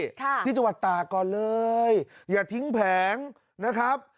ค่ะที่จังหวัดตากก่อนเลยอย่าทิ้งแผงนะครับ